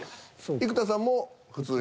生田さんも普通に？